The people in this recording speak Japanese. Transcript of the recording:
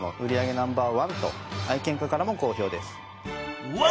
ナンバーワンと愛犬家からも好評です。